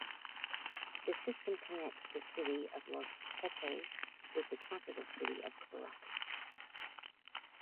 The system connects the city of Los Teques with the capital city of Caracas.